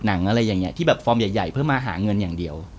อะไรอย่างนี้ที่แบบฟอร์มใหญ่เพื่อมาหาเงินอย่างเดียว